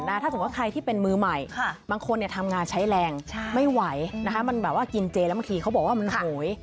ถ้าสมมุติว่าใครที่เป็นมือใหม่บางคนทำงานใช้แรงไม่ไหวนะคะมันแบบว่ากินเจแล้วบางทีเขาบอกว่ามันโหย